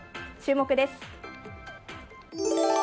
注目です。